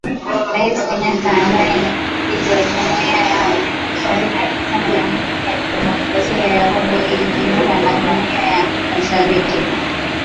Rais Kenyatta ambaye ni Mwenyekiti wa Jumuiya ya Afrika Mashariki alisema Jamhuri ya Kidemokrasia ya Kongo imejiunga na Jumuiya ya Afrika Mashariki.